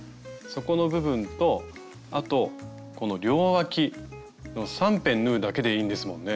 底の部分とあとこの両わき３辺縫うだけでいいんですもんね。